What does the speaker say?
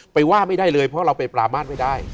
ว่าไม่ได้เลยเพราะเราไปปรามาทไม่ได้